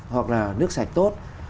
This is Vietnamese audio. hoặc là nước sạch tốt